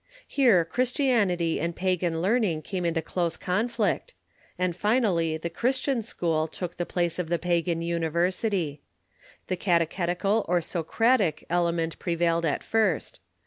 Here Christianity and pagan leai ning came into close conflict, and finally the Christian school took the place of the pagan universit}'. The catechetical, or Socratic, element pre vailed at first.